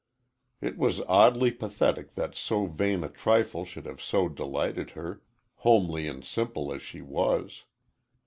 It was oddly pathetic that so vain a trifle should have so delighted her homely and simple as she was.